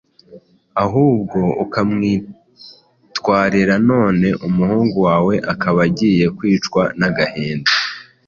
ahubwo ukamwitwarira, none umuhungu wawe akaba agiye kwicwa n'agahinda»